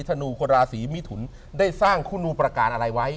ชีวิตตรงนั้น